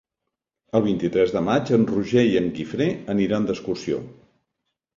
El vint-i-tres de maig en Roger i en Guifré aniran d'excursió.